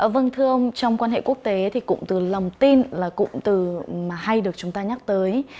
vâng thưa ông trong quan hệ quốc tế thì cụm từ lòng tin là cụm từ mà hay được chúng ta nhắc tới